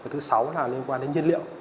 thứ sáu là liên quan đến nhiên liệu